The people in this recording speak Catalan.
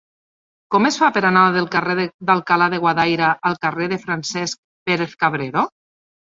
Com es fa per anar del carrer d'Alcalá de Guadaira al carrer de Francesc Pérez-Cabrero?